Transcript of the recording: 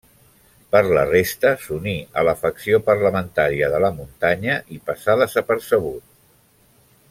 Per la resta, s'uní a la facció parlamentària de la Muntanya i passà desapercebut.